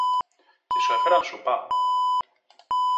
Και σου έφεραν σούπα;